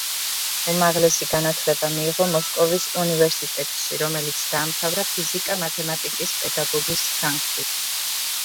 უმაღლესი განათლება მიიღო მოსკოვის უნივერსიტეტში, რომელიც დაამთავრა ფიზიკა-მათემატიკის პედაგოგის განხრით.